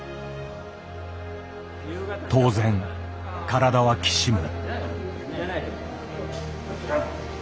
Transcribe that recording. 当然体はきしむ。